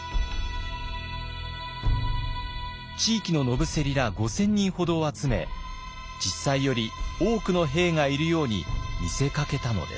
地域の野伏ら５，０００人ほどを集め実際より多くの兵がいるように見せかけたのです。